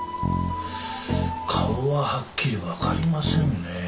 顔ははっきりわかりませんね。